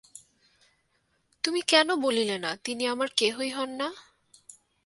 তুমি কেন বলিলে না, তিনি আমার কেহই হন না।